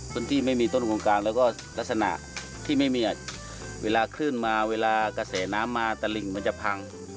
ที่ไม่มีต้นโครงการแล้วก็ลักษณะที่ไม่มีเวลาคลื่นมาเวลากระแสน้ำมาตะหลิ่งมันจะพัง